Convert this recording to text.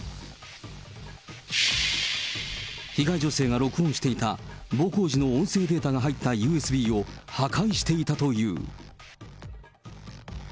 被害女性が録音していた暴行時の音声データが入ったＵＳＢを破壊していたという。